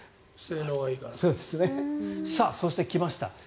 そして、来ました